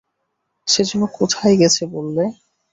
সে যেন কোথায় গেছে বললে?